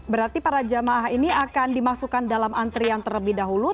berarti para jamaah ini akan dimasukkan dalam antrian terlebih dahulu